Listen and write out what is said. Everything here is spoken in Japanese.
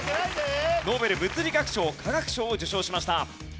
ノーベル物理学賞・化学賞を受賞しました。